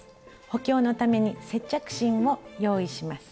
補強のために接着芯を用意します。